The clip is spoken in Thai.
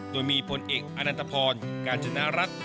โดยมีผลเอกอาณัตภรณ์การจนารัก